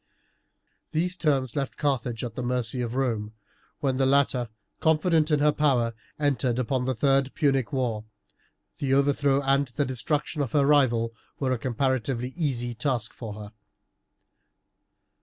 These terms left Carthage at the mercy of Rome, when the latter, confident in her power, entered upon the third Punic war, the overthrow and the destruction of her rival were a comparatively easy task for her.